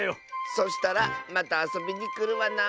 そしたらまたあそびにくるわな。